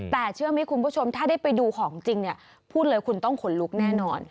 แต่เชื่อไหมคุณผู้ชมถ้าได้ไปดูของจริงเนี่ยพูดเลยคุณต้องขนลุกแน่นอน